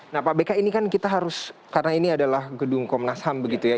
nah pak beka ini kan kita harus karena ini adalah gedung komnas ham begitu ya